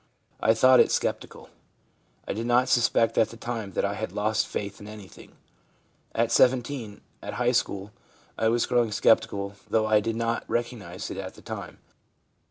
I thought it sceptical. I did not suspect at the time that I had lost faith in anything. At 17, at high school, I was growing sceptical, though I did not recognise it at, the time.